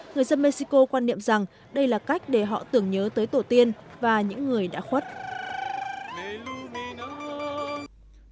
người dân mexico quan niệm rằng đây là cách để họ tưởng nhớ tới tổ tiên và những người đã khuất